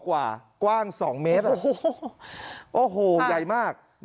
กว้าง๒เมตรโอ้โหใหญ่มาก